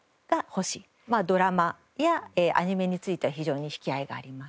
ドラマやアニメについては非常に引き合いがあります。